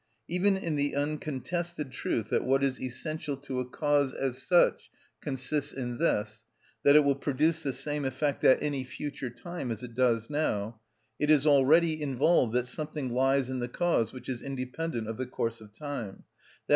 Even in the uncontested truth that what is essential to a cause as such consists in this, that it will produce the same effect at any future time as it does now, it is already involved that something lies in the cause which is independent of the course of time, _i.